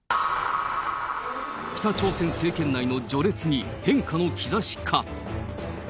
北朝鮮政権内の序列に変化の兆しか。